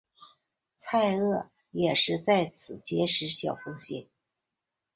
蔡锷也是在此结识小凤仙。